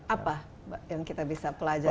apa yang kita bisa pelajari